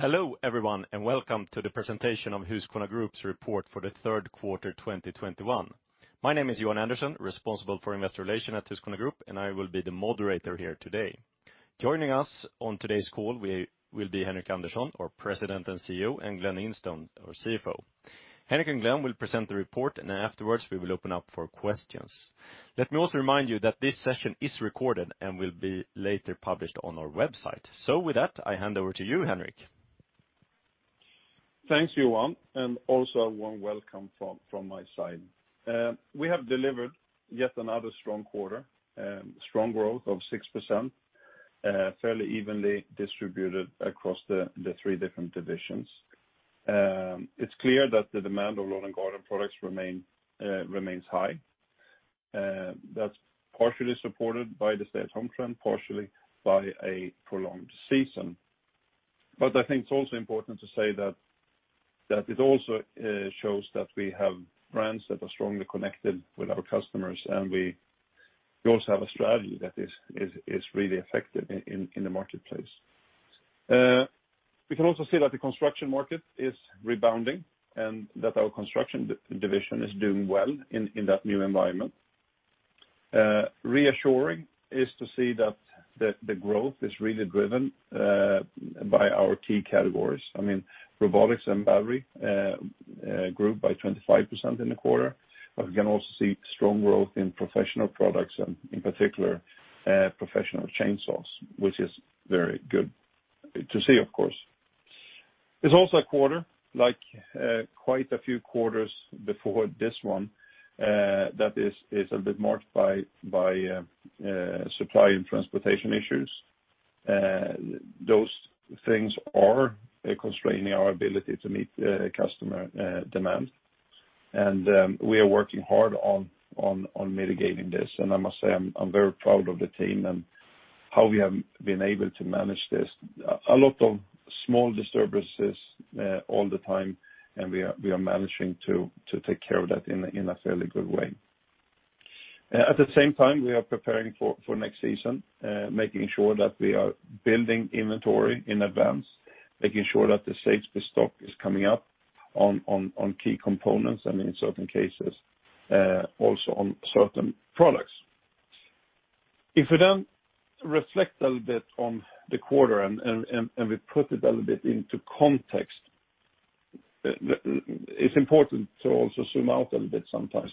Hello everyone, and welcome to the presentation of Husqvarna Group's report for the third quarter 2021. My name is Johan Andersson, responsible for investor relations at Husqvarna Group, and I will be the moderator here today. Joining us on today's call will be Henric Andersson, our President and CEO, and Glen Instone, our CFO. Henric and Glen will present the report, and afterwards we will open up for questions. Let me also remind you that this session is recorded and will be later published on our website. With that, I hand over to you, Henric. Thanks, Johan, and also a warm welcome from my side. We have delivered yet another strong quarter. Strong growth of 6%, fairly evenly distributed across the three different divisions. It's clear that the demand of lawn and garden products remains high. That's partially supported by the stay-at-home trend, partially by a prolonged season. I think it's also important to say that it also shows that we have brands that are strongly connected with our customers, and we also have a strategy that is really effective in the marketplace. We can also see that the construction market is rebounding and that our construction division is doing well in that new environment. Reassuring is to see that the growth is really driven by our key categories. Robotics and battery grew by 25% in the quarter. We can also see strong growth in professional products and in particular, professional chainsaws, which is very good to see, of course. It's also a quarter, like quite a few quarters before this one, that is a bit marked by supply and transportation issues. Those things are constraining our ability to meet customer demand. We are working hard on mitigating this. I must say, I'm very proud of the team and how we have been able to manage this. A lot of small disturbances all the time. We are managing to take care of that in a fairly good way. At the same time, we are preparing for next season, making sure that we are building inventory in advance, making sure that the safety stock is coming up on key components, and in certain cases, also on certain products. If we then reflect a little bit on the quarter and we put it a little bit into context, it's important to also zoom out a little bit sometimes.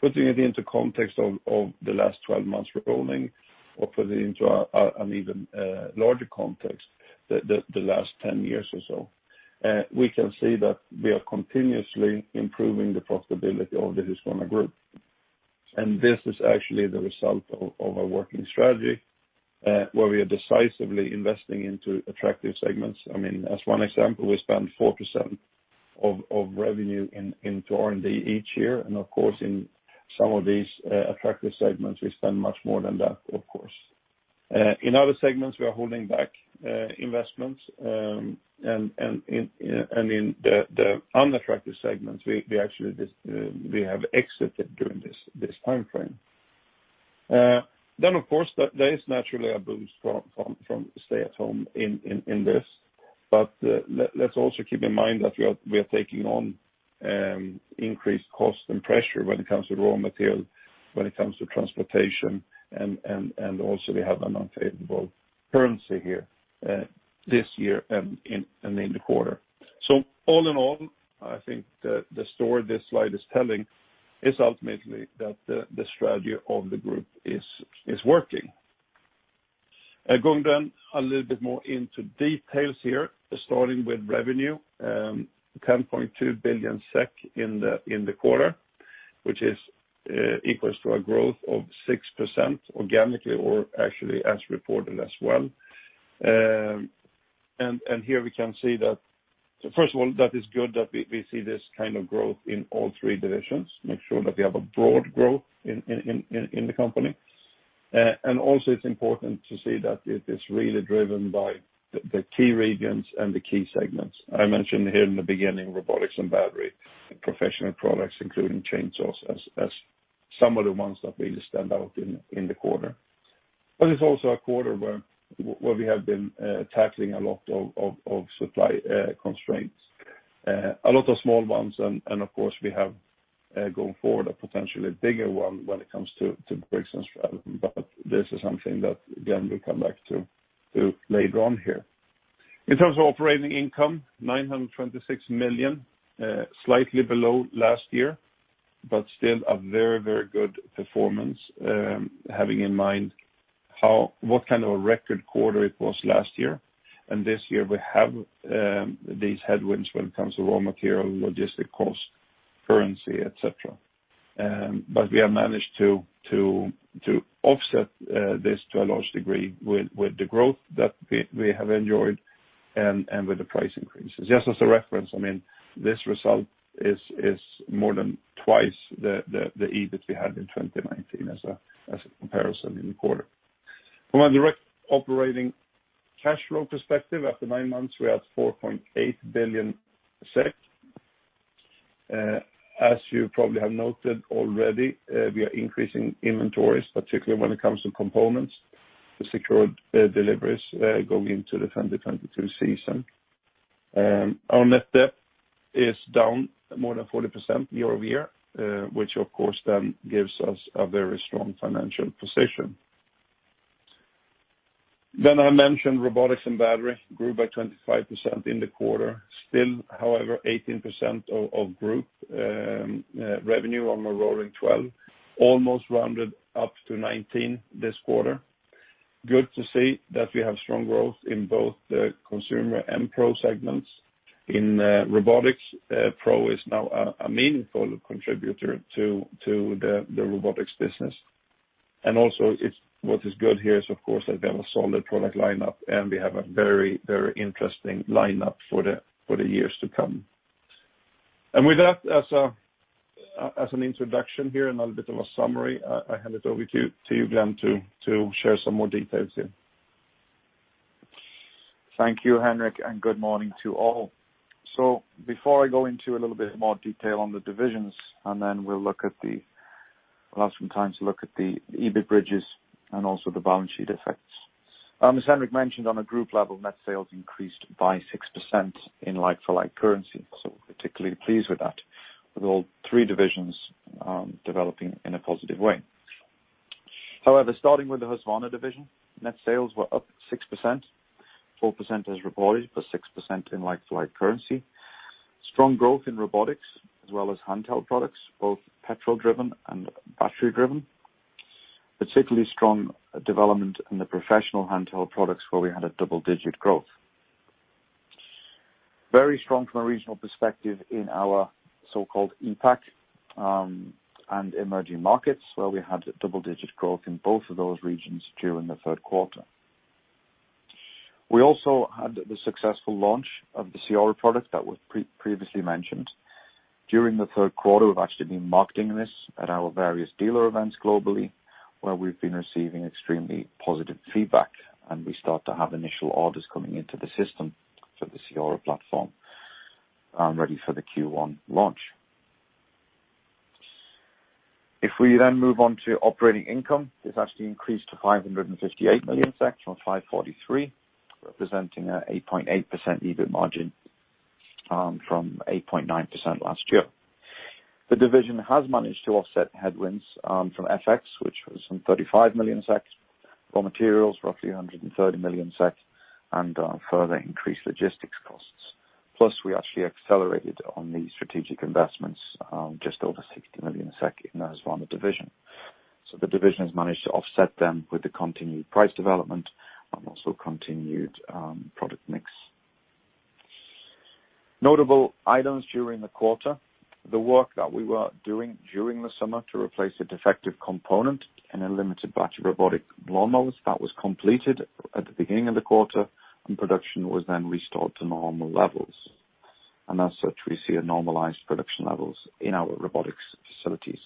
Putting it into context of the last 12 months rolling or put it into an even larger context, the last 10 years or so. We can see that we are continuously improving the profitability of the Husqvarna Group. This is actually the result of our working strategy, where we are decisively investing into attractive segments. As one example, we spend 4% of revenue into R&D each year, and of course, in some of these attractive segments, we spend much more than that. In other segments, we are holding back investments. In the unattractive segments, we have exited during this timeframe. Of course, there is naturally a boost from stay at home in this. Let's also keep in mind that we are taking on increased cost and pressure when it comes to raw material, when it comes to transportation, and also we have an unfavorable currency here this year and in the quarter. All in all, I think the story this slide is telling is ultimately that the strategy of the group is working. Going then a little bit more into details here, starting with revenue. 10.2 billion SEK in the quarter, which is equals to a growth of 6% organically or actually as reported as well. First of all, that is good that we see this kind of growth in all three divisions, make sure that we have a broad growth in the company. Also it's important to see that it is really driven by the key regions and the key segments. I mentioned here in the beginning, robotics and battery, professional products, including chainsaws, as some of the ones that really stand out in the quarter. It's also a quarter where we have been tackling a lot of supply constraints. A lot of small ones, and of course, we have, going forward, a potentially bigger one when it comes to Briggs & Stratton, but this is something that Glen will come back to later on here. In terms of operating income, 926 million, slightly below last year, but still a very good performance, having in mind what kind of a record quarter it was last year. This year we have these headwinds when it comes to raw material, logistic cost, currency, et cetera. We have managed to offset this to a large degree with the growth that we have enjoyed and with the price increases. Just as a reference, this result is more than twice the EBIT that we had in 2019 as a comparison in the quarter. From a direct operating cash flow perspective, after nine months, we are at 4.8 billion SEK. As you probably have noted already, we are increasing inventories, particularly when it comes to components to secure deliveries going into the 2022 season. Our net debt is down more than 40% year-over-year, which of course then gives us a very strong financial position. I mentioned robotics and battery grew by 25% in the quarter. Still, however, 18% of group revenue on a rolling 12, almost rounded up to 19 this quarter. Good to see that we have strong growth in both the consumer and pro segments. In robotics, pro is now a meaningful contributor to the robotics business. Also what is good here is, of course, that we have a solid product lineup, and we have a very interesting lineup for the years to come. With that, as an introduction here and a little bit of a summary, I hand it over to you, Glen, to share some more details here. Thank you, Henric, and good morning to all. Before I go into a little bit more detail on the divisions, and then we'll have some time to look at the EBIT bridges and also the balance sheet effects. As Henric mentioned, on a group level, net sales increased by 6% in like-for-like currency. Particularly pleased with that, with all three divisions developing in a positive way. However, starting with the Husqvarna division, net sales were up 4% as reported, but 6% in like-for-like currency. Strong growth in robotics as well as handheld products, both petrol driven and battery driven. Particularly strong development in the professional handheld products, where we had a double-digit growth. Very strong from a regional perspective in our so-called APAC, and emerging markets, where we had double-digit growth in both of those regions during the third quarter. We also had the successful launch of the CEORA product that was previously mentioned. During the third quarter, we've actually been marketing this at our various dealer events globally, where we've been receiving extremely positive feedback, and we start to have initial orders coming into the system for the CEORA platform ready for the Q1 launch. Moving on to operating income, it's actually increased to 558 million from 543, representing an 8.8% EBIT margin from 8.9% last year. The division has managed to offset headwinds from FX, which was some 35 million SEK, raw materials roughly 130 million SEK, and further increased logistics costs. We actually accelerated on the strategic investments, just over 60 million in the Husqvarna division. The division's managed to offset them with the continued price development and also continued product mix. Notable items during the quarter. The work that we were doing during the summer to replace a defective component in a limited batch of robotic lawnmowers, that was completed at the beginning of the quarter, and production was then restored to normal levels. As such, we see normalized production levels in our robotics facilities.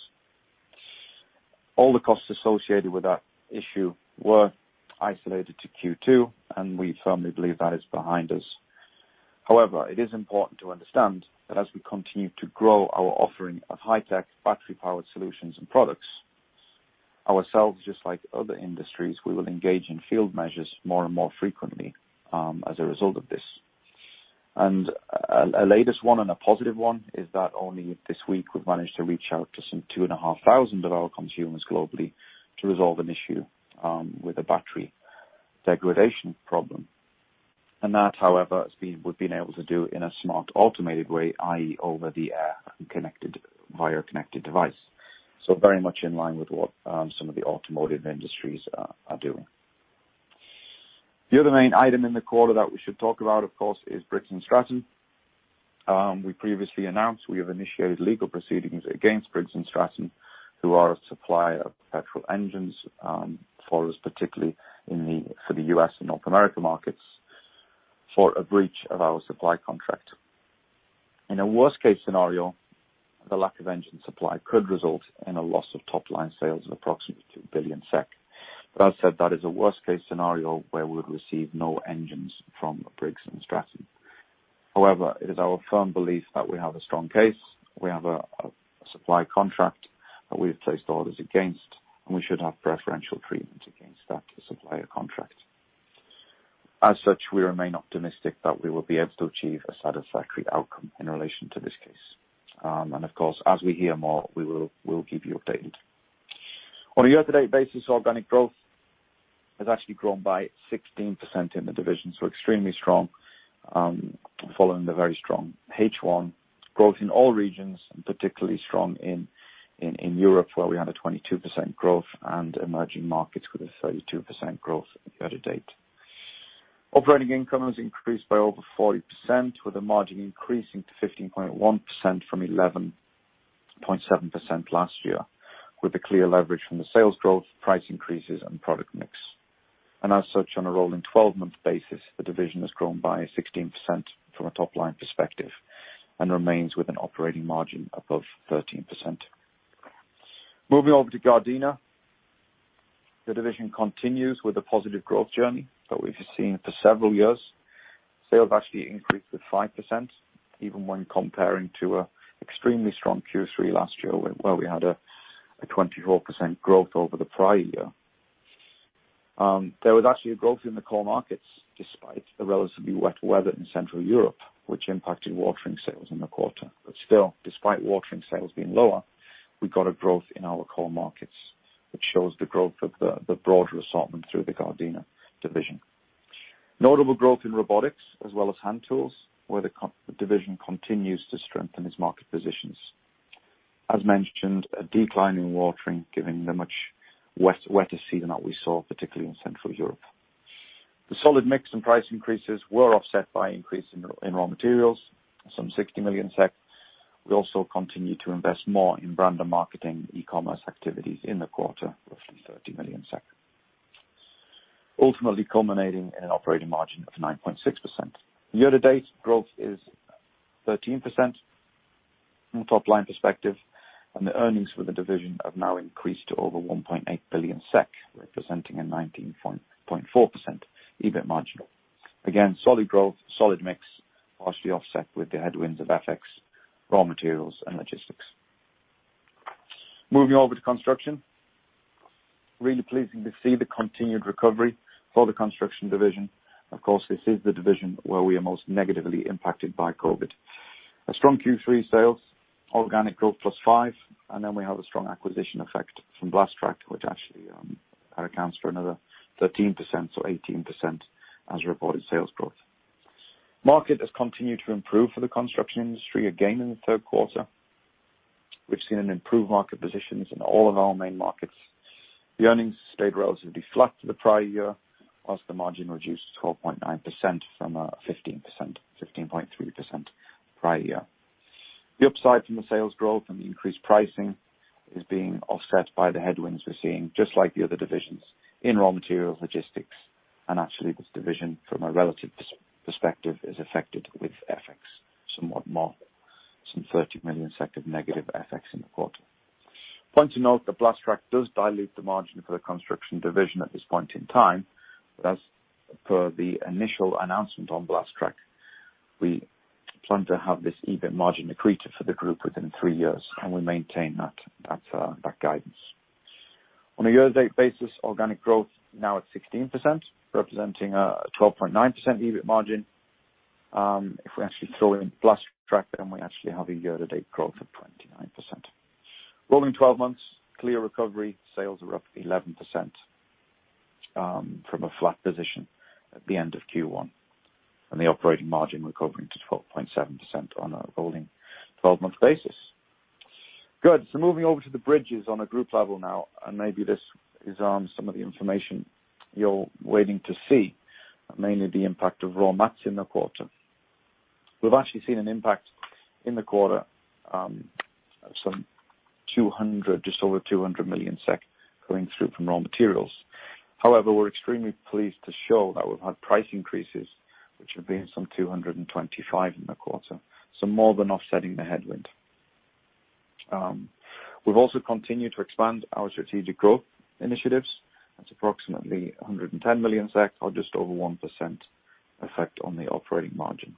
All the costs associated with that issue were isolated to Q2, and we firmly believe that is behind us. However, it is important to understand that as we continue to grow our offering of high-tech, battery-powered solutions and products, ourselves, just like other industries, we will engage in field measures more and more frequently as a result of this. Our latest one and a positive one is that only this week, we've managed to reach out to some 2,500 of our consumers globally to resolve an issue with a battery degradation problem. That, however, we've been able to do in a smart, automated way, i.e., over the air via connected device. Very much in line with what some of the automotive industries are doing. The other main item in the quarter that we should talk about, of course, is Briggs & Stratton. We previously announced we have initiated legal proceedings against Briggs & Stratton, who are a supplier of petrol engines for us, particularly for the U.S. and North America markets, for a breach of our supply contract. In a worst-case scenario, the lack of engine supply could result in a loss of top-line sales of approximately 2 billion SEK. That said, that is a worst-case scenario where we would receive no engines from Briggs & Stratton. However, it is our firm belief that we have a strong case, we have a supply contract that we have placed orders against, and we should have preferential treatment against that supplier contract. As such, we remain optimistic that we will be able to achieve a satisfactory outcome in relation to this case. Of course, as we hear more, we will keep you updated. On a year-to-date basis, organic growth has actually grown by 16% in the division. Extremely strong following the very strong H1 growth in all regions, and particularly strong in Europe, where we had a 22% growth and emerging markets with a 32% growth year-to-date. Operating income has increased by over 40%, with the margin increasing to 15.1% from 11.7% last year, with a clear leverage from the sales growth, price increases, and product mix. As such, on a rolling 12-month basis, the division has grown by 16% from a top-line perspective and remains with an operating margin above 13%. Moving over to Gardena. The division continues with a positive growth journey that we've seen for several years. Sales actually increased with 5%, even when comparing to an extremely strong Q3 last year, where we had a 24% growth over the prior year. There was actually a growth in the core markets, despite the relatively wet weather in Central Europe, which impacted watering sales in the quarter. Still, despite watering sales being lower, we got a growth in our core markets, which shows the growth of the broader assortment through the Gardena division. Notable growth in robotics as well as hand tools, where the division continues to strengthen its market positions. As mentioned, a decline in watering given the much wetter season that we saw, particularly in Central Europe. The solid mix and price increases were offset by increase in raw materials, some 60 million SEK. We also continue to invest more in brand and marketing e-commerce activities in the quarter, roughly 30 million, ultimately culminating in an operating margin of 9.6%. Year-to-date growth is 13% from a top-line perspective, and the earnings for the division have now increased to over 1.8 billion SEK, representing a 19.4% EBIT margin. Again, solid growth, solid mix, partially offset with the headwinds of FX, raw materials, and logistics. Moving over to Construction. Really pleasing to see the continued recovery for the Construction division. Of course, this is the division where we are most negatively impacted by COVID. A strong Q3 sales, organic growth +5%. We have a strong acquisition effect from Blastrac, which actually accounts for another 13%, so 18% as reported sales growth. Market has continued to improve for the construction industry again in the third quarter. We've seen an improved market positions in all of our main markets. The earnings stayed relatively flat to the prior year, whilst the margin reduced to 12.9% from a 15.3% prior year. The upside from the sales growth and the increased pricing is being offset by the headwinds we're seeing, just like the other divisions, in raw materials, logistics, and actually this division, from a relative perspective, is affected with FX somewhat more, some 30 million of negative FX in the quarter. Point to note that Blastrac does dilute the margin for the construction division at this point in time, but as per the initial announcement on Blastrac, we plan to have this EBIT margin accretive for the group within three years, and we maintain that guidance. On a year-to-date basis, organic growth now at 16%, representing a 12.9% EBIT margin. If we actually throw in Blastrac, then we actually have a year-to-date growth of 29%. Rolling 12 months, clear recovery. Sales are up 11% from a flat position at the end of Q1, and the operating margin recovering to 12.7% on a rolling 12-month basis. Good. Moving over to the bridges on a group level now, and maybe this is on some of the information you're waiting to see, mainly the impact of raw mats in the quarter. We've actually seen an impact in the quarter of some 200 million, just over 200 million SEK coming through from raw materials. We're extremely pleased to show that we've had price increases, which have been some 225 in the quarter, so more than offsetting the headwind. We've also continued to expand our strategic growth initiatives. That's approximately 110 million SEK or just over 1% effect on the operating margin.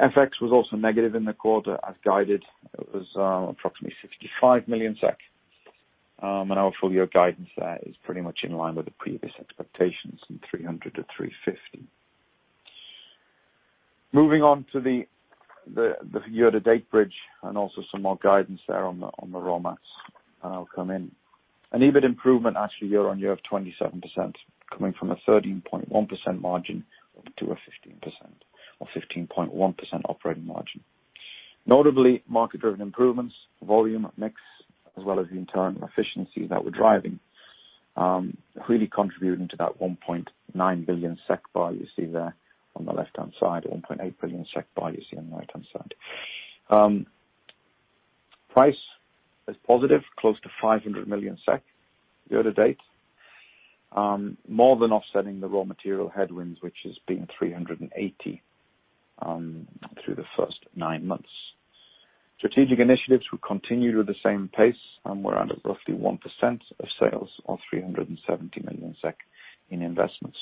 FX was also negative in the quarter, as guided. It was approximately 65 million SEK, and our full-year guidance there is pretty much in line with the previous expectations in 300 million-350 million. Moving on to the year-to-date bridge and also some more guidance there on the raw mats, and I'll come in. An EBIT improvement actually year-on-year of 27%, coming from a 13.1% margin up to a 15% or 15.1% operating margin. Notably, market-driven improvements, volume mix, as well as the internal efficiency that we're driving really contributing to that 1.9 billion SEK bar you see there on the left-hand side, 1.8 billion SEK bar you see on the right-hand side. Price is positive, close to 500 million SEK year to date, more than offsetting the raw material headwinds, which has been 380 through the first 9 months. Strategic initiatives will continue at the same pace and we're under roughly 1% of sales or 370 million SEK in investments.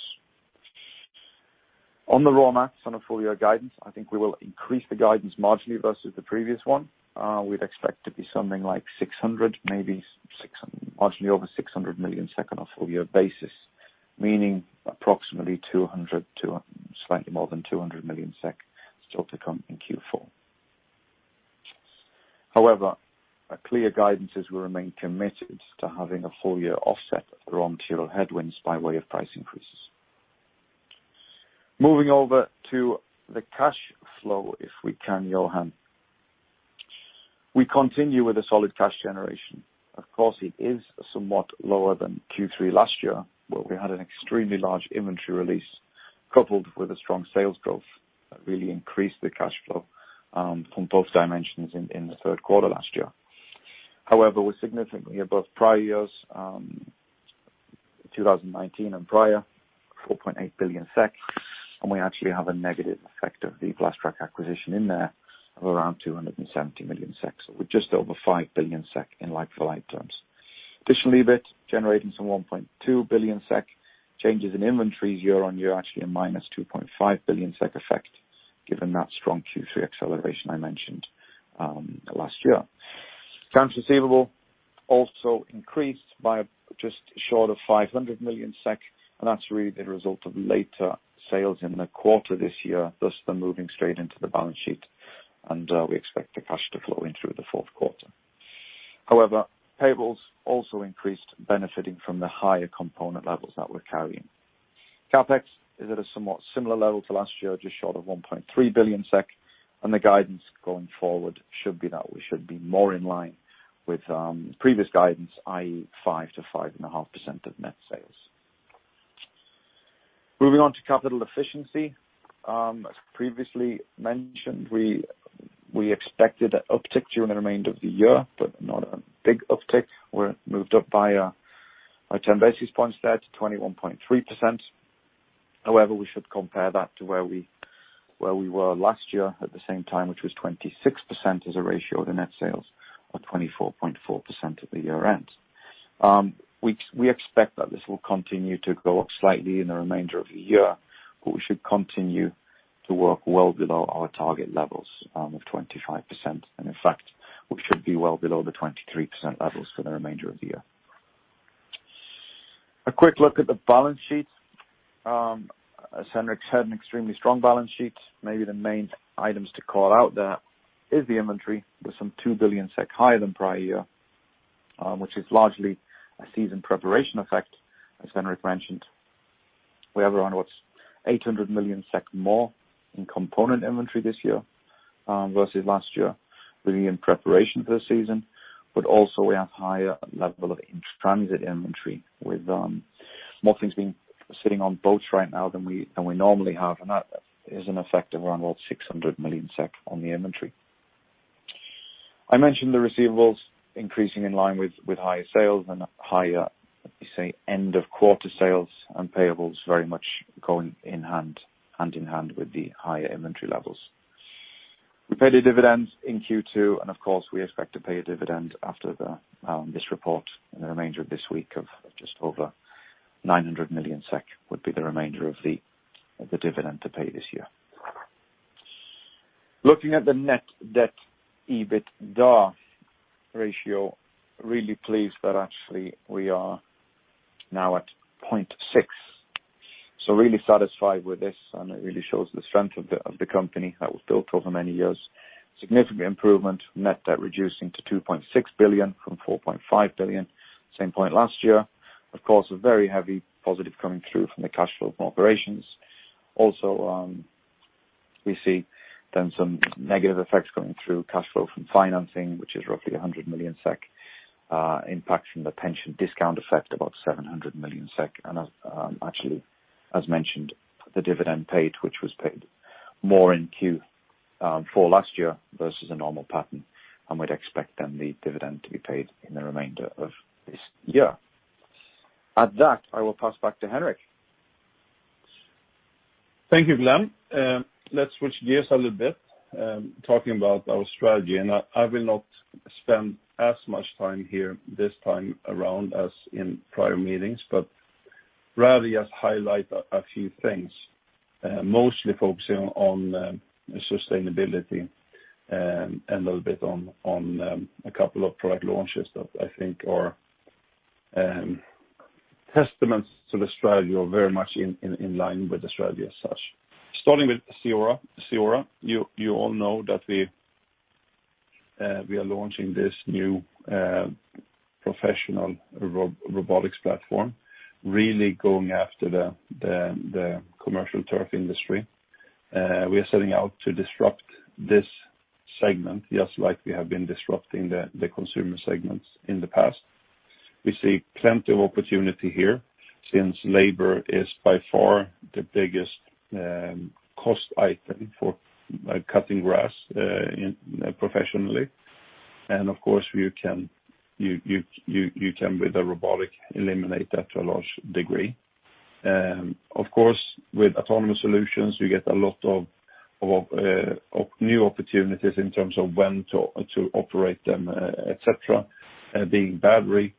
On the raw mats, on a full-year guidance, I think we will increase the guidance marginally versus the previous one. We'd expect to be something like 600 million, maybe marginally over 600 million SEK on a full-year basis, meaning approximately 200 million to slightly more than 200 million SEK still to come in Q4. A clear guidance is we remain committed to having a full-year offset of the raw material headwinds by way of price increases. Moving over to the cash flow, if we can, Johan. We continue with a solid cash generation. Of course, it is somewhat lower than Q3 last year, where we had an extremely large inventory release coupled with a strong sales growth that really increased the cash flow from both dimensions in the third quarter last year. We're significantly above prior years 2019 and prior, 4.8 billion SEK, and we actually have a negative effect of the Blastrac acquisition in there of around 270 million SEK. We're just over 5 billion SEK in like-for-like terms. Additionally, EBIT generating some 1.2 billion SEK. Changes in inventories year-over-year actually a minus 2.5 billion SEK effect given that strong Q3 acceleration I mentioned last year. Accounts receivable also increased by just short of 500 million SEK. That's really the result of later sales in the quarter this year, thus them moving straight into the balance sheet. We expect the cash to flow in through the fourth quarter. However, payables also increased benefiting from the higher component levels that we're carrying. CapEx is at a somewhat similar level to last year, just short of 1.3 billion SEK. The guidance going forward should be that we should be more in line with previous guidance, i.e., 5%-5.5% of net sales. Moving on to capital efficiency. As previously mentioned, we expected an uptick during the remainder of the year, not a big uptick. We're moved up by 10 basis points there to 21.3%. However, we should compare that to where we were last year at the same time, which was 26% as a ratio of the net sales of 24.4% at the year-end. We expect that this will continue to go up slightly in the remainder of the year, but we should continue to work well below our target levels of 25%. In fact, we should be well below the 23% levels for the remainder of the year. A quick look at the balance sheets. As Henric said, an extremely strong balance sheet. Maybe the main items to call out there is the inventory with some 2 billion SEK higher than prior year, which is largely a season preparation effect, as Henric mentioned. We have around, what, 800 million SEK more in component inventory this year versus last year, really in preparation for the season. Also we have higher level of in-transit inventory with more things sitting on boats right now than we normally have, and that is an effect of around, what, 600 million SEK on the inventory. I mentioned the receivables increasing in line with higher sales and higher, let me say, end of quarter sales and payables very much going hand in hand with the higher inventory levels. We paid a dividend in Q2, and of course, we expect to pay a dividend after this report in the remainder of this week of just over 900 million SEK would be the remainder of the dividend to pay this year. Looking at the net debt/EBITDA ratio, really pleased that actually we are now at 0.6. Really satisfied with this, and it really shows the strength of the company that was built over many years. Significant improvement, net debt reducing to 2.6 billion from 4.5 billion same point last year. Of course, a very heavy positive coming through from the cash flow from operations. We see then some negative effects coming through cash flow from financing, which is roughly 100 million SEK, impact from the pension discount effect about 700 million SEK. Actually, as mentioned, the dividend paid, which was paid more in Q4 last year versus the normal pattern, and we'd expect then the dividend to be paid in the remainder of this year. At that, I will pass back to Henric. Thank you, Glen. I will not spend as much time here this time around as in prior meetings, but rather just highlight a few things, mostly focusing on sustainability, and a little bit on a couple of product launches that I think are testaments to the strategy or very much in line with the strategy as such. Starting with CEORA. You all know that we are launching this new professional robotics platform, really going after the commercial turf industry. We are setting out to disrupt this segment, just like we have been disrupting the consumer segments in the past. We see plenty of opportunity here since labor is by far the biggest cost item for cutting grass professionally. Of course, you can with a robotic eliminate that to a large degree. Of course, with autonomous solutions, you get a lot of new opportunities in terms of when to operate them, et cetera. Being battery,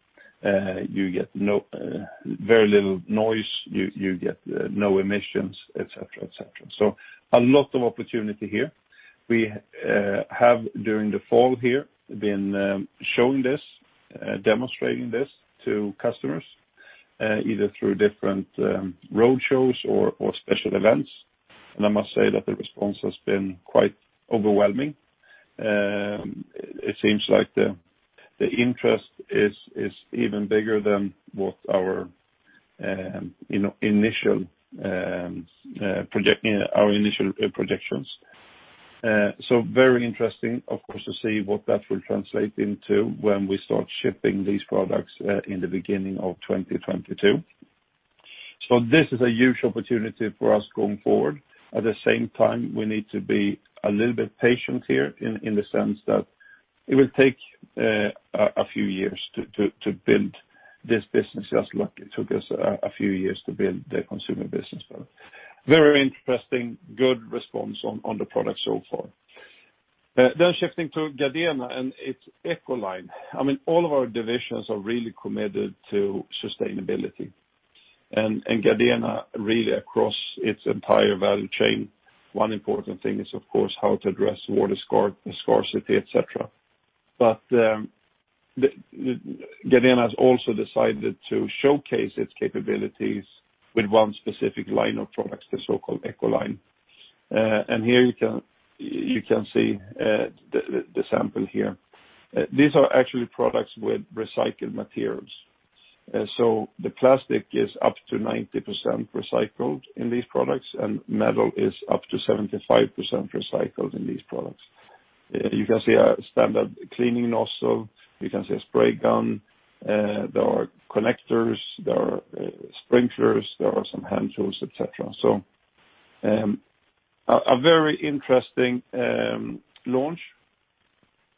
you get very little noise, you get no emissions, et cetera. A lot of opportunity here. We have, during the fall here, been showing this, demonstrating this to customers, either through different road shows or special events. I must say that the response has been quite overwhelming. It seems like the interest is even bigger than what our initial projections. Very interesting, of course, to see what that will translate into when we start shipping these products in the beginning of 2022. This is a huge opportunity for us going forward. At the same time, we need to be a little bit patient here in the sense that it will take a few years to build this business, just like it took us a few years to build the consumer business. Very interesting, good response on the product so far. Shifting to Gardena and its EcoLine. All of our divisions are really committed to sustainability, and Gardena really across its entire value chain. One important thing is, of course, how to address water scarcity, et cetera. Gardena has also decided to showcase its capabilities with one specific line of products, the so-called EcoLine. You can see the sample here. These are actually products with recycled materials. The plastic is up to 90% recycled in these products, and metal is up to 75% recycled in these products. You can see a standard cleaning nozzle. You can see a spray gun. There are connectors, there are sprinklers, there are some hand tools, et cetera. A very interesting launch,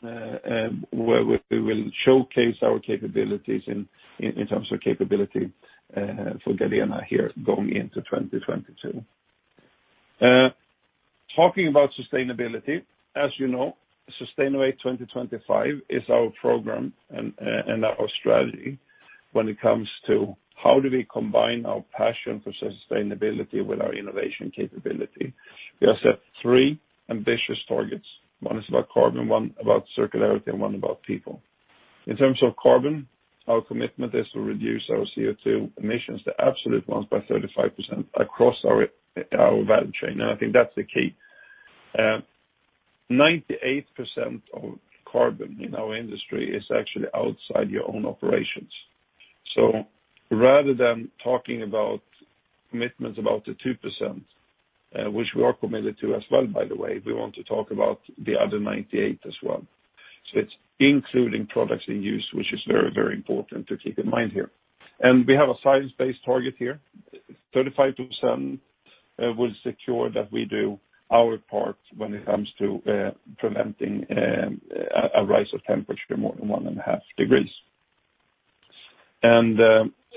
where we will showcase our capabilities in terms of capability for Gardena here going into 2022. Talking about sustainability, as you know, Sustalnovate 2025 is our program and our strategy when it comes to how do we combine our passion for sustainability with our innovation capability. We have set three ambitious targets. One is about carbon, one about circularity, and one about people. In terms of carbon, our commitment is to reduce our CO2 emissions to absolute ones by 35% across our value chain, and I think that's the key. 98% of carbon in our industry is actually outside your own operations. Rather than talking about commitments about the 2%, which we are committed to as well, by the way, we want to talk about the other 98% as well. It's including products in use, which is very, very important to keep in mind here. We have a science-based target here. 35% will secure that we do our part when it comes to preventing a rise of temperature more than one and a half degrees.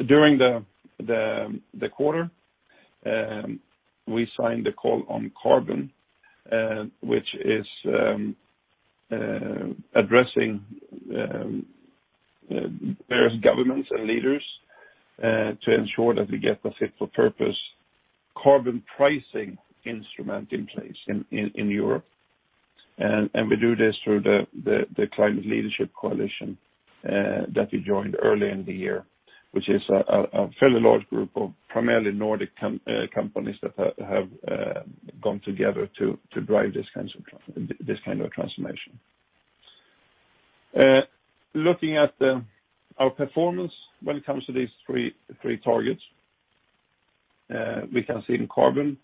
During the quarter, we signed The Carbon Call, which is addressing various governments and leaders, to ensure that we get the fit for purpose carbon pricing instrument in place in Europe. We do this through the Climate Leadership Coalition that we joined early in the year, which is a fairly large group of primarily Nordic companies that have gone together to drive this kind of transformation. Looking at our performance when it comes to these three targets, we can see in carbon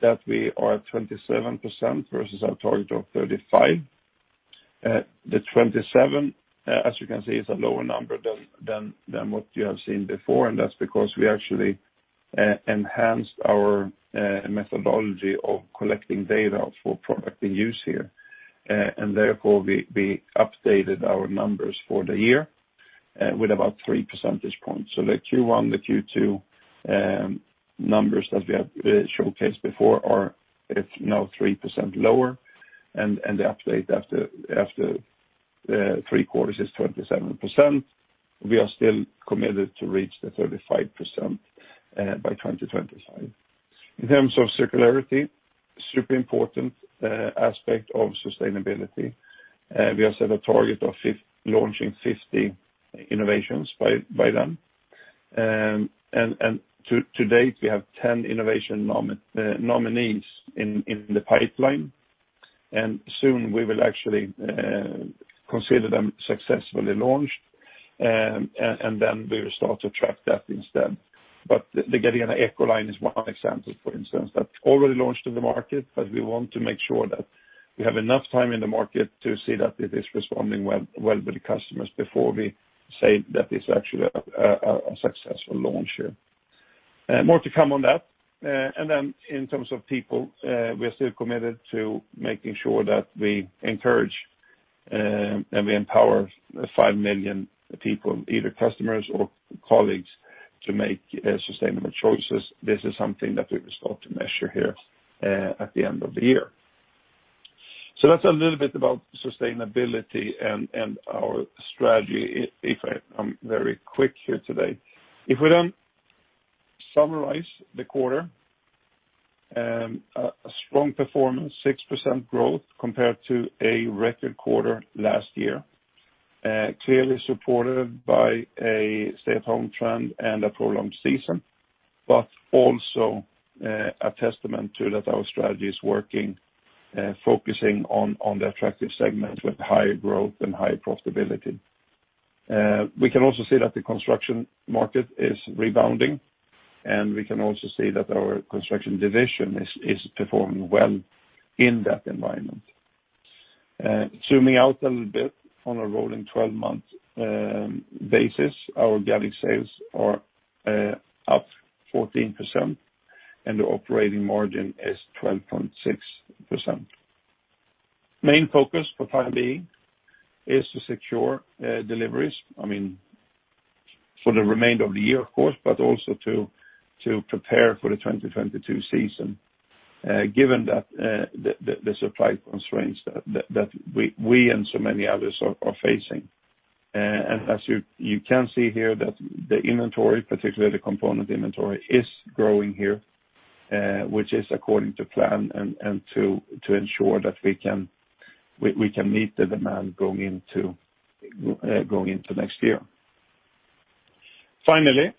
that we are at 27% versus our target of 35%. The 27%, as you can see, is a lower number than what you have seen before, and that's because we actually enhanced our methodology of collecting data for product in use here. Therefore we updated our numbers for the year with about 3 percentage points. The Q1, Q2 numbers that we have showcased before are now 3% lower, and the update after three quarters is 27%. We are still committed to reach the 35% by 2025. In terms of circularity, super important aspect of sustainability. We have set a target of launching 50 innovations by then. To date, we have 10 innovation nominees in the pipeline, and soon we will actually consider them successfully launched, and then we will start to track that instead. The Gardena EcoLine is one example, for instance, that's already launched in the market, but we want to make sure that we have enough time in the market to see that it is responding well with the customers before we say that it's actually a successful launch here. More to come on that. Then in terms of people, we are still committed to making sure that we encourage and we empower five million people, either customers or colleagues, to make sustainable choices. This is something that we will start to measure here at the end of the year. That's a little bit about sustainability and our strategy, if I'm very quick here today. If we then summarize the quarter, a strong performance, 6% growth compared to a record quarter last year. Clearly supported by a stay-at-home trend and a prolonged season, but also a testament to that our strategy is working, focusing on the attractive segments with higher growth and higher profitability. We can also see that the construction market is rebounding, and we can also see that our construction division is performing well in that environment. Zooming out a little bit on a rolling 12-month basis, our organic sales are up 14% and the operating margin is 12.6%. Main focus for time being is to secure deliveries, for the remainder of the year, of course, but also to prepare for the 2022 season, given the supply constraints that we and so many others are facing. As you can see here that the inventory, particularly component inventory, is growing here, which is according to plan and to ensure that we can meet the demand going into next year. Finally,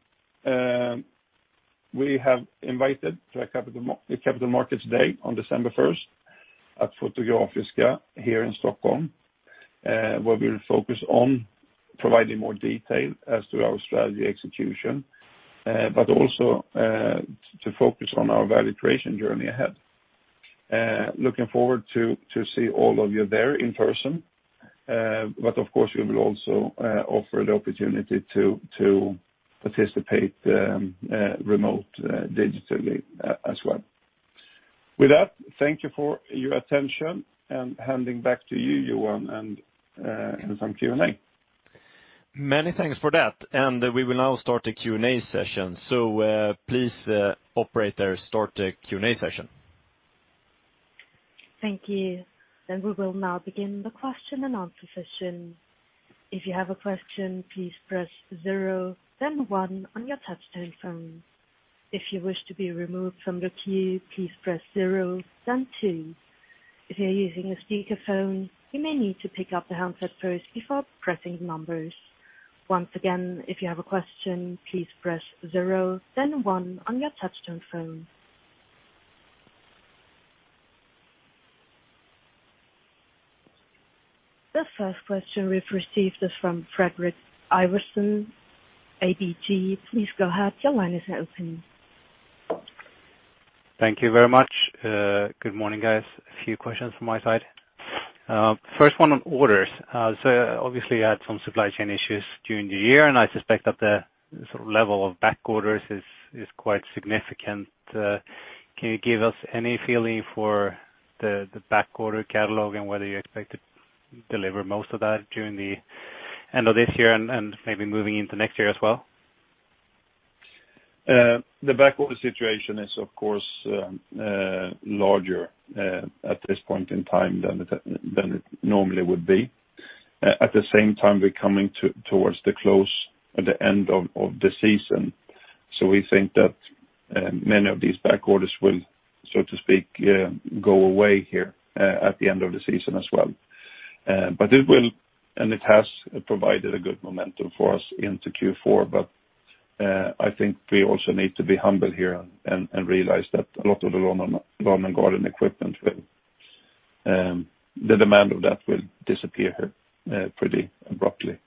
we have invited to a Capital Markets Day on December 1st at Fotografiska here in Stockholm, where we'll focus on providing more detail as to our strategy execution, but also to focus on our value creation journey ahead. Looking forward to see all of you there in person. Of course, we will also offer the opportunity to participate remote digitally as well. With that, thank you for your attention and handing back to you, Johan, and some Q&A. Many thanks for that. We will now start the Q&A session. Please operator, start the Q&A session. Thank you. We will now begin the question and answer session. The first question we've received is from Fredrik Ivarsson, ABG. Please go ahead. Your line is open. Thank you very much. Good morning, guys. A few questions from my side. First one on orders. Obviously you had some supply chain issues during the year, and I suspect that the level of back orders is quite significant. Can you give us any feeling for the back order catalog and whether you expect to deliver most of that during the end of this year and maybe moving into next year as well? The back order situation is of course larger at this point in time than it normally would be. At the same time, we're coming towards the close at the end of the season. We think that many of these back orders will, so to speak, go away here at the end of the season as well. It will, and it has provided a good momentum for us into Q4. I think we also need to be humble here and realize that a lot of the lawn and garden equipment, the demand of that will disappear here pretty abruptly.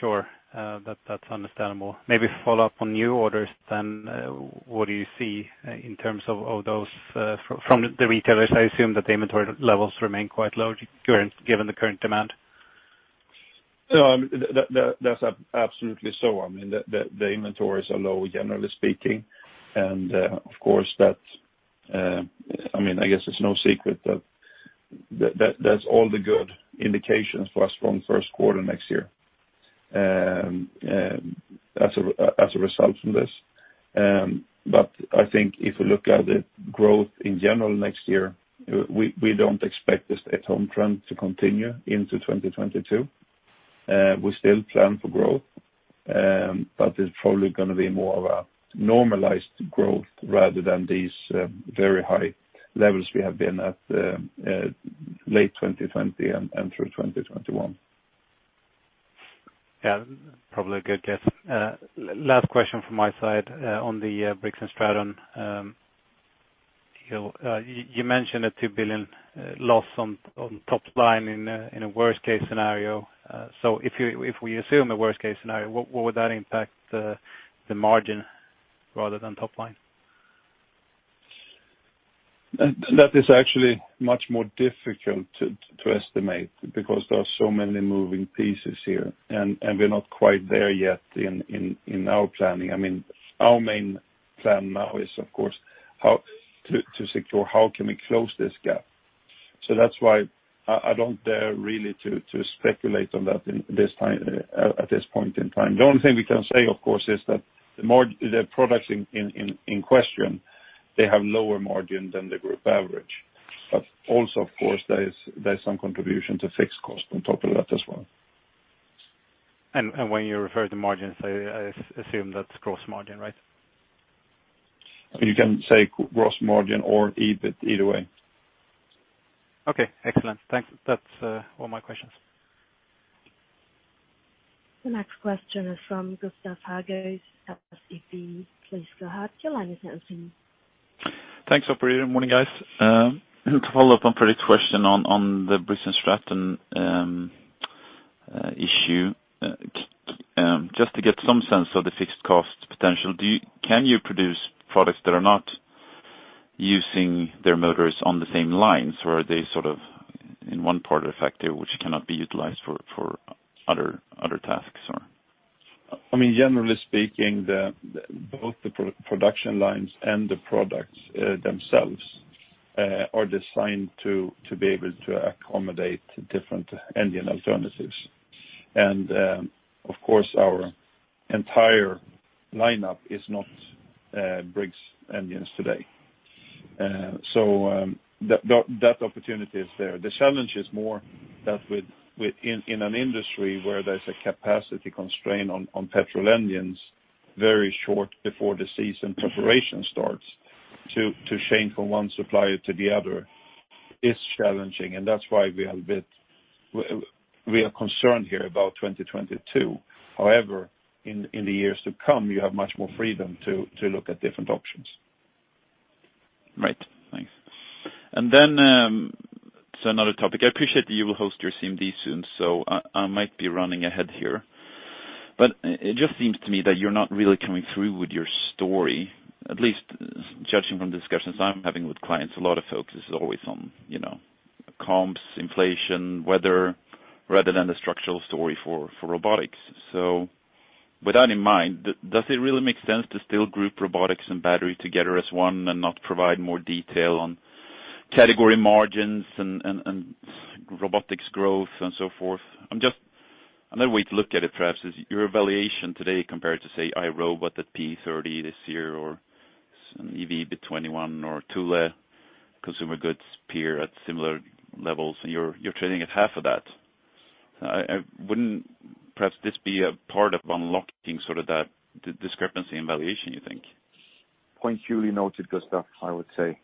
Sure. That's understandable. Maybe follow up on new orders then. What do you see in terms of those from the retailers? I assume that the inventory levels remain quite low given the current demand. That's absolutely so. The inventories are low, generally speaking, and of course, I guess it's no secret that that's all the good indications for a strong first quarter next year as a result from this. I think if you look at the growth in general next year, we don't expect this at-home trend to continue into 2022. We still plan for growth, but it's probably going to be more of a normalized growth rather than these very high levels we have been at late 2020 and through 2021. Yeah, probably a good guess. Last question from my side on the Briggs & Stratton deal. You mentioned a 2 billion loss on top line in a worst case scenario. If we assume a worst case scenario, what would that impact the margin rather than top line? That is actually much more difficult to estimate because there are so many moving pieces here, and we're not quite there yet in our planning. Our main plan now is of course, to secure how can we close this gap. That's why I don't dare really to speculate on that at this point in time. The only thing we can say, of course, is that the products in question, they have lower margin than the group average. Also of course, there's some contribution to fixed cost on top of that as well. When you refer to margins, I assume that's gross margin, right? You can say gross margin or EBIT, either way. Okay, excellent. Thanks. That is all my questions. The next question is from Gustav Hagéus at SEB. Please go ahead. Your line is open. Thanks operator. Morning, guys. To follow up on Fredrik's question on the Briggs & Stratton. Just to get some sense of the fixed cost potential, can you produce products that are not using their motors on the same lines? Are they in one part of the factory, which cannot be utilized for other tasks or? Generally speaking, both the production lines and the products themselves are designed to be able to accommodate different engine alternatives. Of course, our entire lineup is not Briggs engines today. That opportunity is there. The challenge is more that within an industry where there's a capacity constraint on petrol engines very short before the season preparation starts to change from one supplier to the other is challenging, and that's why we are concerned here about 2022. However, in the years to come, you have much more freedom to look at different options. Right. Thanks. Another topic. I appreciate that you will host your CMD soon, so I might be running ahead here, but it just seems to me that you're not really coming through with your story. At least judging from discussions I'm having with clients, a lot of focus is always on comps, inflation, weather, rather than the structural story for robotics. With that in mind, does it really make sense to still group robotics and battery together as one and not provide more detail on category margins and robotics growth and so forth? Another way to look at it, perhaps, is your valuation today compared to, say, iRobot at 30x this year, or EV at 21x, or Thule consumer goods peer at similar levels, and you're trading at half of that. Wouldn't perhaps this be a part of unlocking sort of that discrepancy in valuation, you think? Point duly noted, Gustav Hagéus, I would say.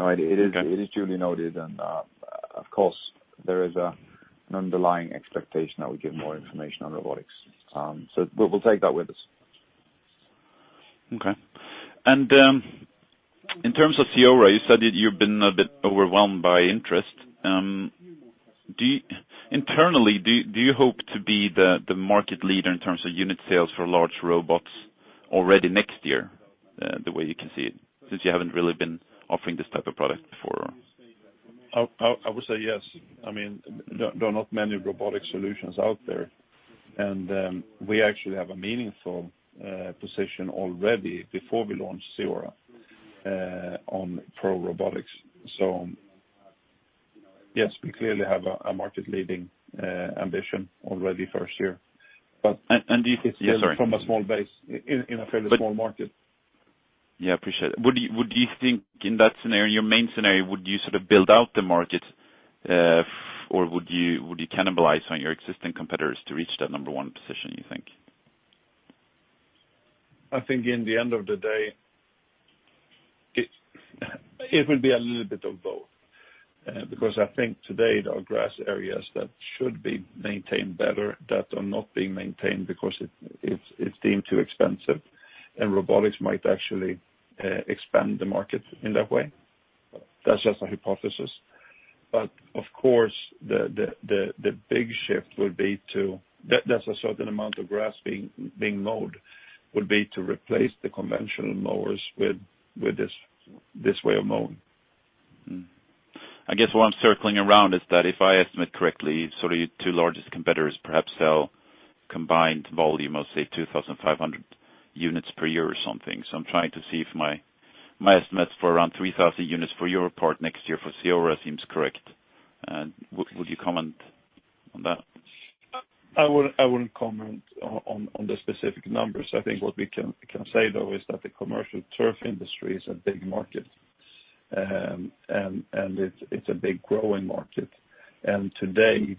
No, it is duly noted, and of course, there is an underlying expectation that we give more information on robotics. We'll take that with us. Okay. In terms of CEORA, you said that you've been a bit overwhelmed by interest. Internally, do you hope to be the market leader in terms of unit sales for large robots already next year, the way you can see it, since you haven't really been offering this type of product before? I would say yes. There are not many robotic solutions out there, and we actually have a meaningful position already before we launch CEORA on pro robotics. Yes, we clearly have a market-leading ambition already first year. And do you think- It's from a small base in a fairly small market. Yeah, appreciate it. Would you think in that scenario, in your main scenario, would you sort of build out the market, or would you cannibalize on your existing competitors to reach that number one position, you think? I think in the end of the day, it will be a little bit of both. I think today, there are grass areas that should be maintained better that are not being maintained because it's deemed too expensive, and robotics might actually expand the market in that way. That's just a hypothesis. Of course, the big shift would be to, There's a certain amount of grass being mowed, would be to replace the conventional mowers with this way of mowing. I guess what I'm circling around is that if I estimate correctly, sort of your two largest competitors perhaps sell combined volume of, say, 2,500 units per year or something. I'm trying to see if my estimates for around 3,000 units for your part next year for CEORA seems correct. Would you comment on that? I wouldn't comment on the specific numbers. I think what we can say, though, is that the commercial turf industry is a big market. It's a big growing market. Today,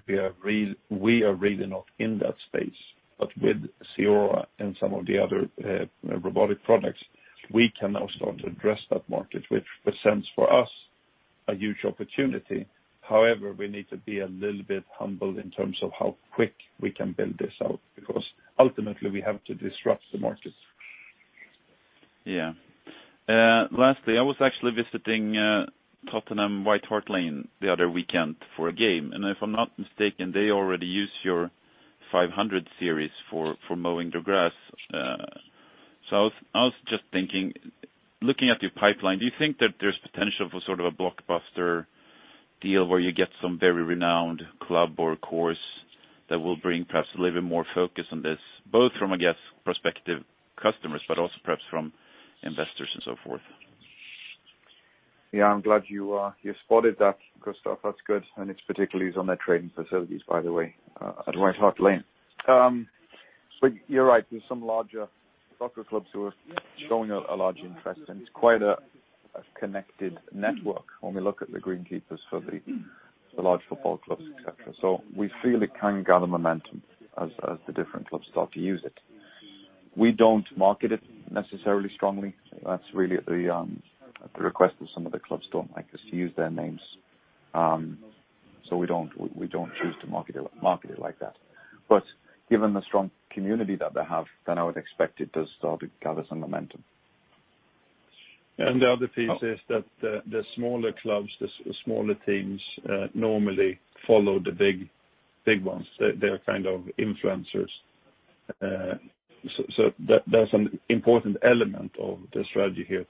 we are really not in that space. With CEORA and some of the other robotic products, we can now start to address that market, which presents for us a huge opportunity. However, we need to be a little bit humble in terms of how quick we can build this out, because ultimately we have to disrupt the market. Yeah. Lastly, I was actually visiting Tottenham White Hart Lane the other weekend for a game, and if I'm not mistaken, they already use your 500 series for mowing the grass. I was just thinking, looking at your pipeline, do you think that there's potential for sort of a blockbuster deal where you get some very renowned club or course that will bring perhaps a little bit more focus on this, both from, I guess, prospective customers, but also perhaps from investors and so forth? Yeah, I'm glad you spotted that, Gustav. That's good. It's particularly on their training facilities, by the way, at White Hart Lane. You're right, there's some larger soccer clubs who are showing a large interest, and it's quite a connected network when we look at the green keepers for the large football clubs, et cetera. We feel it can gather momentum as the different clubs start to use it. We don't market it necessarily strongly. That's really at the request of some of the clubs, don't like us to use their names. We don't choose to market it like that. Given the strong community that they have, then I would expect it to start to gather some momentum. The other piece is that the smaller clubs, the smaller teams, normally follow the big ones. They are kind of influencers. That's an important element of the strategy here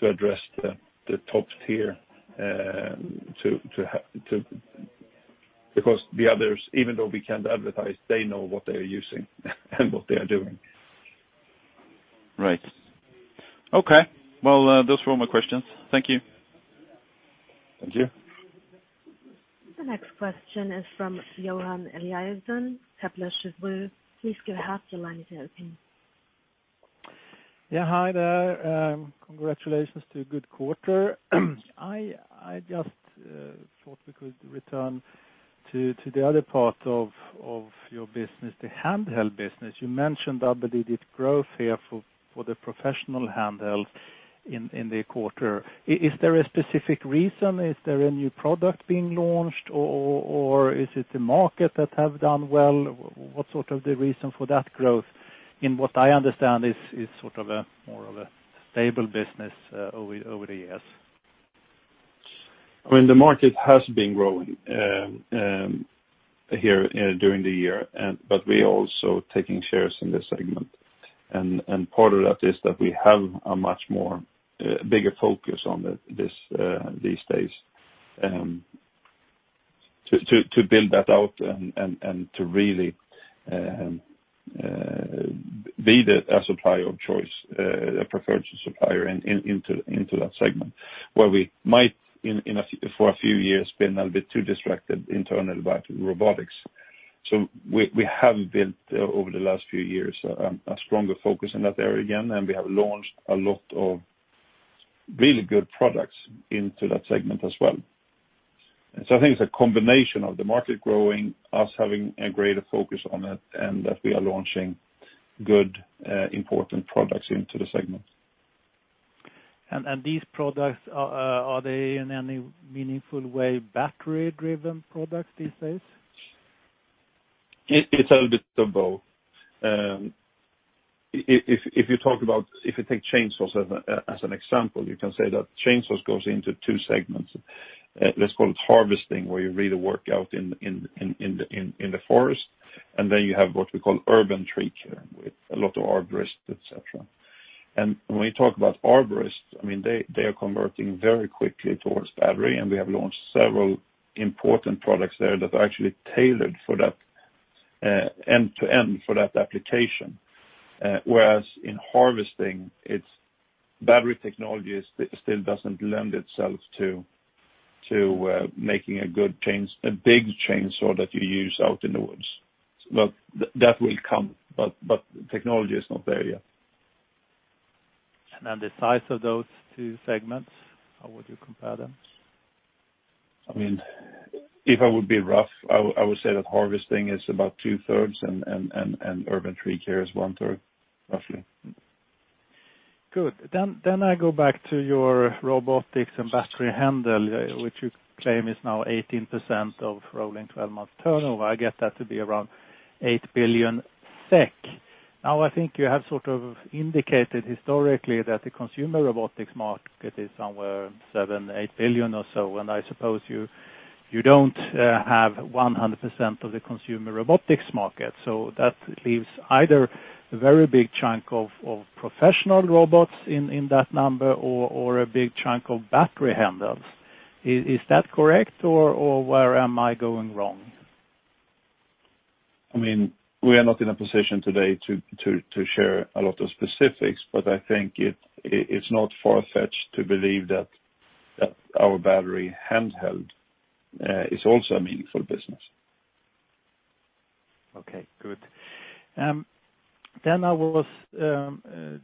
to address the top tier, because the others, even though we can't advertise, they know what they are using and what they are doing. Right. Okay. Well, those were all my questions. Thank you. Thank you. The next question is from Johan Eliason, Kepler Cheuvreux. Please go ahead, your line is open. Yeah. Hi there. Congratulations to a good quarter. I just thought we could return to the other part of your business, the handheld business. You mentioned double-digit growth here for the professional handheld in the quarter. Is there a specific reason? Is there a new product being launched or is it the market that have done well? What's sort of the reason for that growth, in what I understand is sort of more of a stable business over the years? The market has been growing here during the year, but we're also taking shares in this segment. Part of that is that we have a much more bigger focus on this these days, to build that out and to really be the supplier of choice, a preferred supplier into that segment, where we might for a few years been a little bit too distracted internally about robotics. We have built over the last few years, a stronger focus in that area again, and we have launched a lot of really good products into that segment as well. I think it's a combination of the market growing, us having a greater focus on it, and that we are launching good, important products into the segment. These products, are they in any meaningful way battery driven products these days? It's a little bit of both. If you take chainsaws as an example, you can say that chainsaws goes into two segments. Let's call it harvesting, where you really work out in the forest, and then you have what we call urban tree care with a lot of arborists, et cetera. When you talk about arborists, they are converting very quickly towards battery, and we have launched several important products there that are actually tailored for that end-to-end for that application. Whereas in harvesting, battery technology still doesn't lend itself to making a big chainsaw that you use out in the woods. That will come, but the technology is not there yet. The size of those two segments, how would you compare them? If I would be rough, I would say that harvesting is about 2/3 and urban tree care is 1/3, roughly. Good. I go back to your robotics and battery handheld, which you claim is now 18% of rolling 12 months turnover. I guess that to be around 8 billion SEK. I think you have sort of indicated historically that the consumer robotics market is somewhere 7 billion, 8 billion or so, and I suppose you don't have 100% of the consumer robotics market. That leaves either a very big chunk of professional robots in that number or a big chunk of battery handhelds. Is that correct, or where am I going wrong? We are not in a position today to share a lot of specifics, but I think it's not far-fetched to believe that our battery handheld is also a meaningful business. Okay, good. I was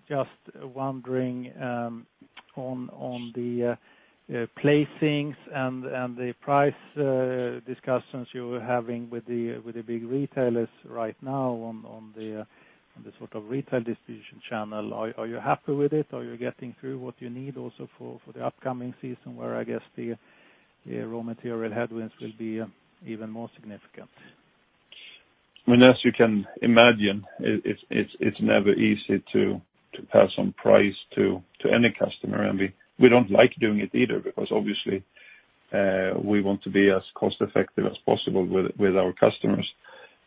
just wondering on the placings and the price discussions you were having with the big retailers right now on the retail distribution channel. Are you happy with it? Are you getting through what you need also for the upcoming season where I guess the raw material headwinds will be even more significant? As you can imagine, it's never easy to pass on price to any customer. We don't like doing it either because obviously, we want to be as cost effective as possible with our customers,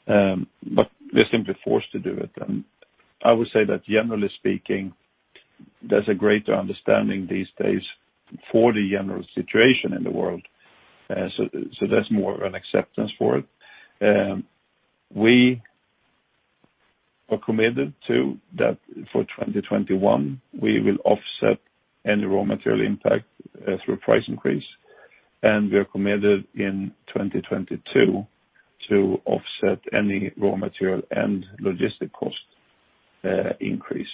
but we're simply forced to do it. I would say that generally speaking, there's a greater understanding these days for the general situation in the world. There's more of an acceptance for it. We are committed to that for 2021, we will offset any raw material impact through price increase, and we are committed in 2022 to offset any raw material and logistic cost increase.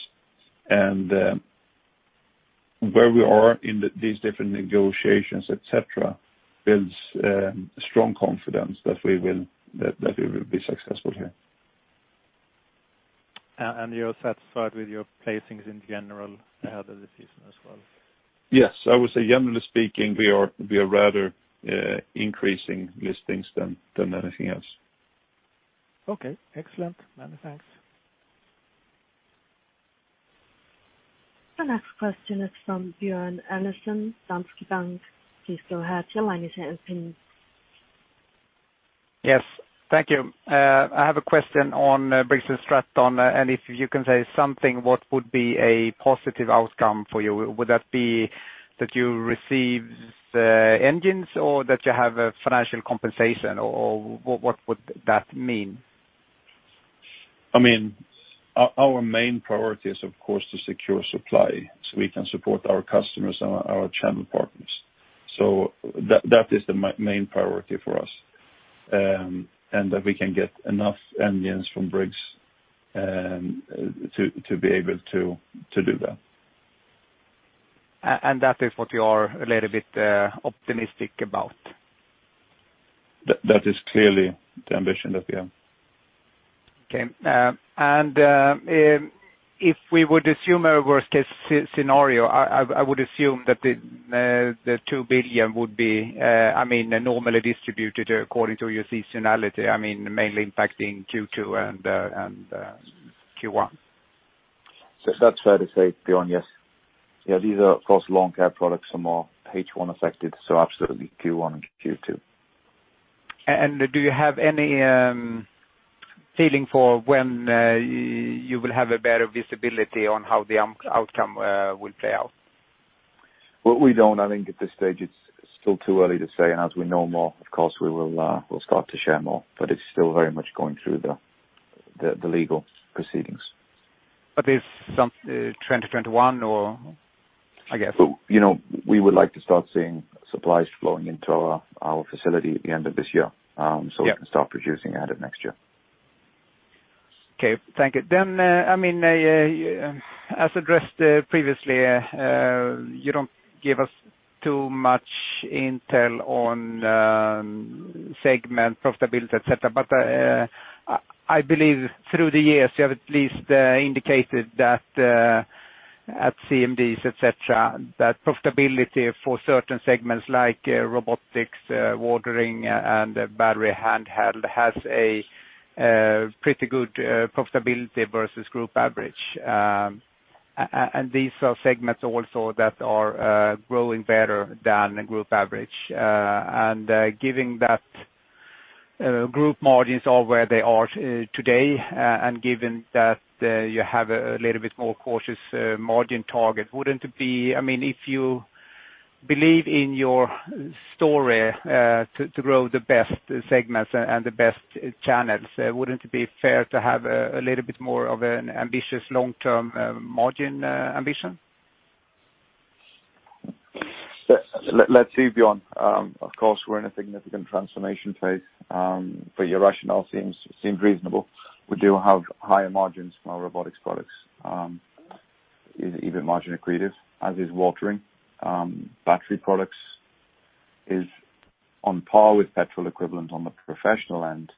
Where we are in these different negotiations, et cetera, builds a strong confidence that we will be successful here. You are satisfied with your placings in general ahead of the season as well? Yes. I would say generally speaking, we are rather increasing listings than anything else. Okay, excellent. Many thanks. The next question is from Björn Enarson, Danske Bank. Please go ahead, your line is now open. Yes, thank you. I have a question on Briggs & Stratton, and if you can say something, what would be a positive outcome for you? Would that be that you receive the engines or that you have a financial compensation, or what would that mean? Our main priority is, of course, to secure supply so we can support our customers and our channel partners. That is the main priority for us, and that we can get enough engines from Briggs to be able to do that. That is what you are a little bit optimistic about? That is clearly the ambition that we have. Okay. If we would assume a worst-case scenario, I would assume that the 2 billion would be normally distributed according to your seasonality, mainly impacting Q2 and Q1. That's fair to say, Björn, yes. These are, of course, lawn care products are more H1 affected, so absolutely Q1 and Q2. Do you have any feeling for when you will have a better visibility on how the outcome will play out? Well, we don't. I think at this stage it's still too early to say, and as we know more, of course, we'll start to share more, but it's still very much going through the legal proceedings. There's some 2021 or I guess. We would like to start seeing supplies flowing into our facility at the end of this year. Yeah We can start producing ahead of next year. Okay. Thank you. As addressed previously, you don't give us too much intel on segment profitability, et cetera. I believe through the years, you have at least indicated that at CMDs, et cetera, that profitability for certain segments like robotics, watering, and battery handheld has a pretty good profitability versus group average. These are segments also that are growing better than group average. Given that group margins are where they are today, and given that you have a little bit more cautious margin target, if you believe in your story to grow the best segments and the best channels, wouldn't it be fair to have a little bit more of an ambitious long-term margin ambition? Let's see, Björn. Of course, we're in a significant transformation phase. Your rationale seems reasonable. We do have higher margins from our robotics products, EBIT margin accretive, as is Gardena. Battery products is on par with petrol equivalent on the professional end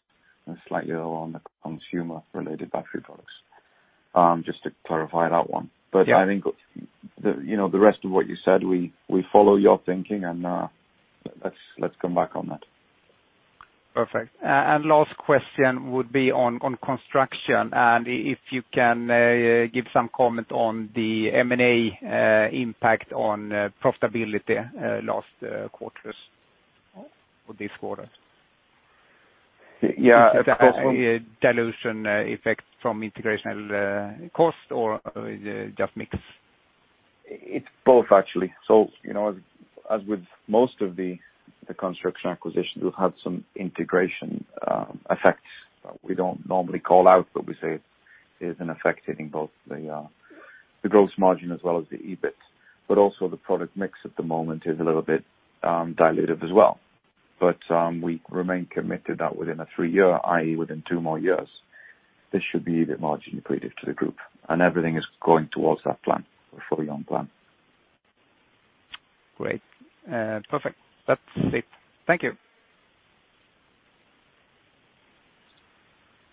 and slightly lower on the consumer-related battery products. Just to clarify that one. Yeah. I think the rest of what you said, we follow your thinking and let's come back on that. Perfect. Last question would be on construction, and if you can give some comment on the M&A impact on profitability last quarters or this quarter. Yeah. Is it a dilution effect from integrational cost or is it just mix? It's both, actually. As with most of the construction acquisitions, we'll have some integration effects we don't normally call out, but we say is an effect hitting both the gross margin as well as the EBIT. Also the product mix at the moment is a little bit dilutive as well. We remain committed that within a three-year, i.e., within two more years, this should be EBIT margin accretive to the group, and everything is going towards that plan. We're fully on plan. Great. Perfect. That's it. Thank you.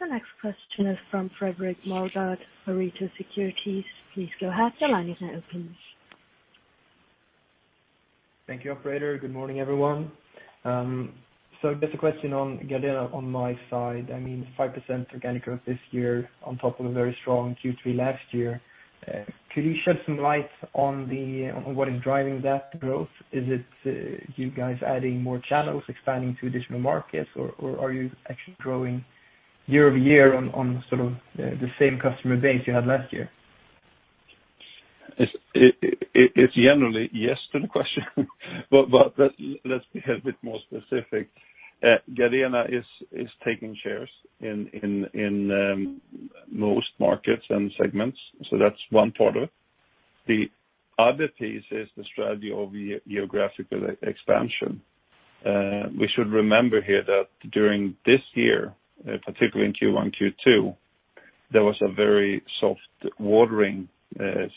The next question is from Fredrik Moregård, Pareto Securities. Thank you, operator. Good morning, everyone. Just a question on Gardena on my side. 5% organic growth this year on top of a very strong Q3 last year. Could you shed some light on what is driving that growth? Is it you guys adding more channels, expanding to additional markets, or are you actually growing year-over-year on the same customer base you had last year? It's generally yes to the question. Let's be a bit more specific. Gardena is taking shares in most markets and segments. That's one part of it. The other piece is the strategy of geographical expansion. We should remember here that during this year, particularly in Q1, Q2, there was a very soft watering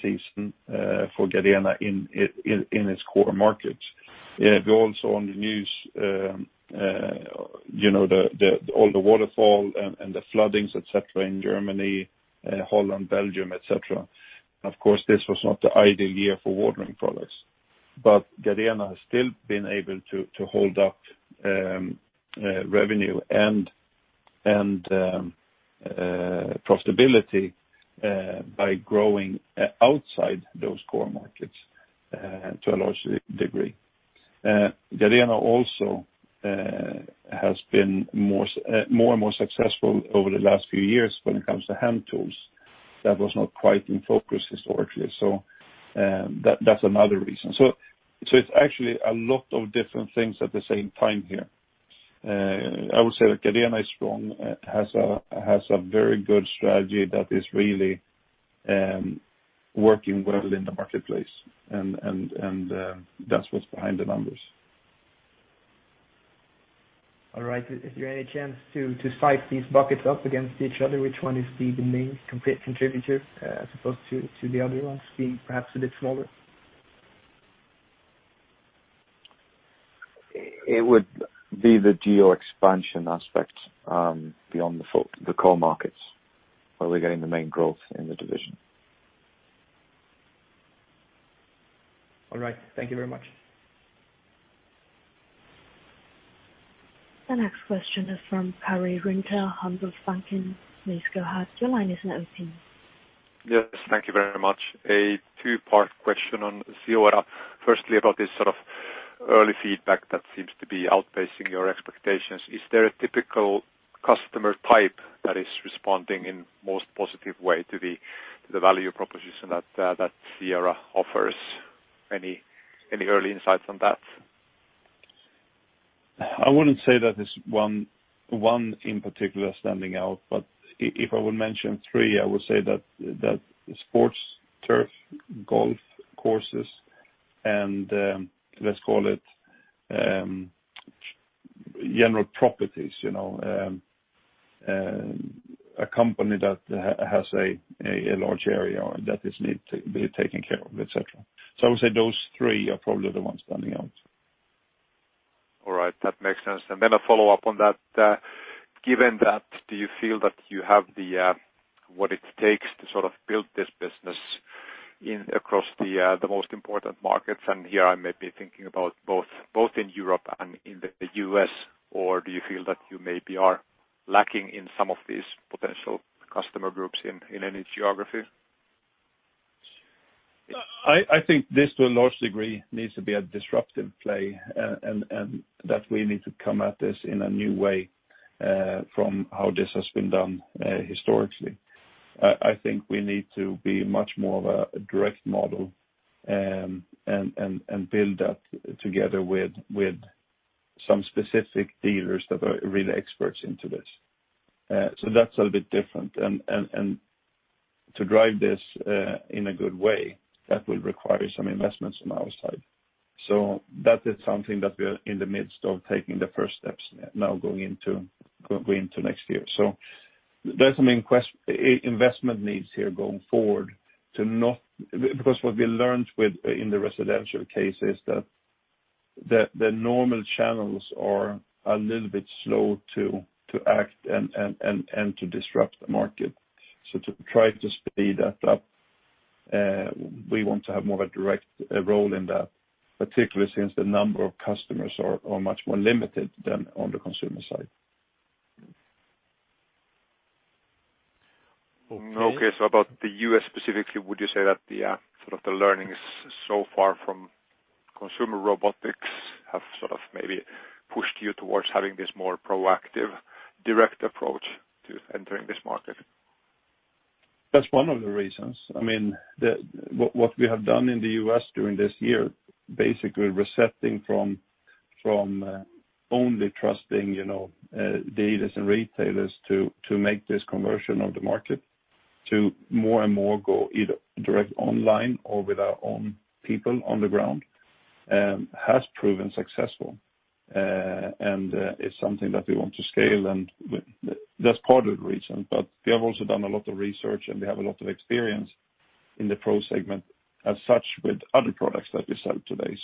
season for Gardena in its core markets. If you also on the news, all the waterfall and the floodings, et cetera, in Germany, Holland, Belgium, et cetera. Of course, this was not the ideal year for watering products. Gardena has still been able to hold up revenue and profitability by growing outside those core markets to a large degree. Gardena also has been more and more successful over the last few years when it comes to hand tools. That was not quite in focus historically. That's another reason. It's actually a lot of different things at the same time here. I would say that Gardena is strong, has a very good strategy that is really working well in the marketplace, and that's what's behind the numbers. All right. Is there any chance to size these buckets up against each other? Which one is the main contributor as opposed to the other ones being perhaps a bit smaller? It would be the geo expansion aspect, beyond the core markets where we're getting the main growth in the division. All right. Thank you very much. The next question is from Karri Rinta, Handelsbanken. Please go ahead. Your line is open. Yes. Thank you very much. A two-part question on the CEORA. Firstly, about this sort of early feedback that seems to be outpacing your expectations. Is there a typical customer type that is responding in most positive way to the value proposition that CEORA offers? Any early insights on that? I wouldn't say that there's one in particular standing out, but if I would mention three, I would say that sports turf, golf courses, and let's call it, general properties, a company that has a large area that needs to be taken care of, et cetera. I would say those three are probably the ones standing out. All right. That makes sense. A follow-up on that. Given that, do you feel that you have what it takes to sort of build this business across the most important markets? Here, I may be thinking about both in Europe and in the U.S. Do you feel that you maybe are lacking in some of these potential customer groups in any geography? I think this, to a large degree, needs to be a disruptive play, and that we need to come at this in a new way from how this has been done historically. I think we need to be much more of a direct model and build that together with some specific dealers that are really experts into this. That's a little bit different, and to drive this in a good way, that will require some investments on our side. That is something that we are in the midst of taking the first steps now going into next year. There's some investment needs here going forward, because what we learned in the residential case is that the normal channels are a little bit slow to act and to disrupt the market. To try to speed that up, we want to have more of a direct role in that, particularly since the number of customers are much more limited than on the consumer side. Okay, about the U.S. specifically, would you say that the sort of the learnings so far from consumer robotics have sort of maybe pushed you towards having this more proactive, direct approach to entering this market? That's one of the reasons. I mean, what we have done in the U.S. during this year, basically resetting from only trusting dealers and retailers to make this conversion of the market, to more and more go either direct online or with our own people on the ground, has proven successful. It's something that we want to scale, and that's part of the reason. We have also done a lot of research, and we have a lot of experience in the pro segment as such with other products that we sell today.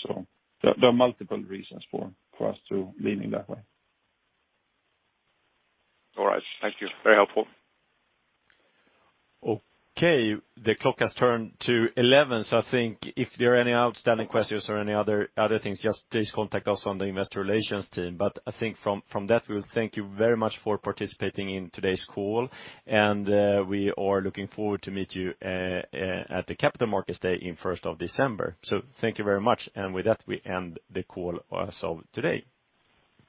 There are multiple reasons for us to leaning that way. All right. Thank you. Very helpful. Okay, the clock has turned to 11:00 A.M. I think if there are any outstanding questions or any other things, just please contact us on the Investor Relations team. I think from that, we'll thank you very much for participating in today's call, and we are looking forward to meet you at the Capital Markets Day in 1st of December. Thank you very much. With that, we end the call as of today.